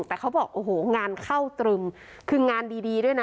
แต่เขาบอกโอ้โหงานเข้าตรึมคืองานดีด้วยนะ